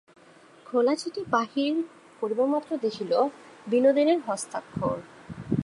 খোলা চিঠি বাহির করিবামাত্র দেখিল, বিনোদিনীর হস্তাক্ষর।